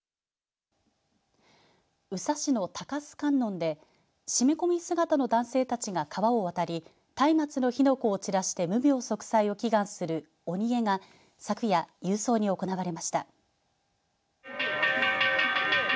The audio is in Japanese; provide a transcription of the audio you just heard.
宇佐市の鷹栖観音で締め込み姿の男性たちが川を渡りたいまつの火の粉を散らして無病息災を祈願する鬼会が昨夜勇壮に行われました。